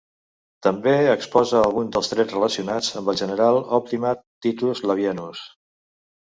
També exposa alguns dels trets relacionats amb el general optimat Titus Labienus.